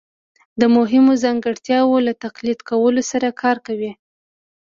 د مهمو ځانګړتیاوو له تقلید کولو سره کار کوي